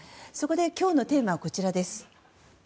そこで、今日のテーマはこちらです。